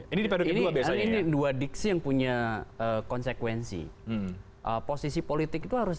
ini dua diksi yang punya konsekuensi posisi politik itu harus